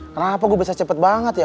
kenapa gue bisa cepet banget ya